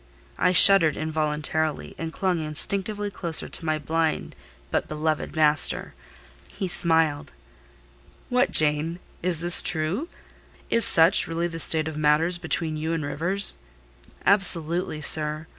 I shuddered involuntarily, and clung instinctively closer to my blind but beloved master. He smiled. "What, Jane! Is this true? Is such really the state of matters between you and Rivers?" "Absolutely, sir!